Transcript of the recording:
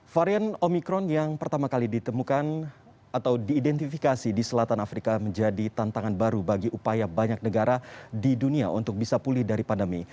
varian omikron yang pertama kali ditemukan atau diidentifikasi di selatan afrika menjadi tantangan baru bagi upaya banyak negara di dunia untuk bisa pulih dari pandemi